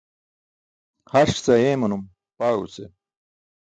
Harṣ ce ayeemanum, paaẏo ce.